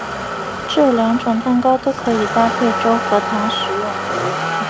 这两种蛋糕都可以搭配粥和糖食用。